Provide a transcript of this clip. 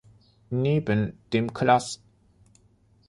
Neben dem klass.